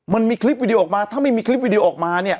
มันมีคลิปวิดีโอออกมาถ้าไม่มีคลิปวิดีโอออกมาเนี่ย